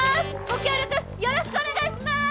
ご協力よろしくお願いします！